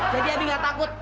jadi abi nggak takut